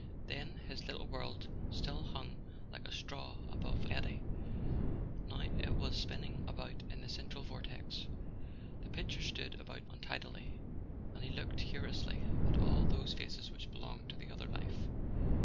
Then his little world still hung like a straw above an eddy; now it was spinning about in the central vortex. The pictures stood about untidily, and he looked curiously at all those faces which belonged to the other life.